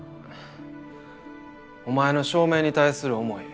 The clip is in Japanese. お前の照明に対する思い